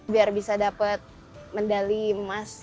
biar bisa dapat medali emas